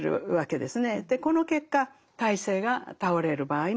でこの結果体制が倒れる場合もあると。